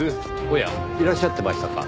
おやいらっしゃってましたか。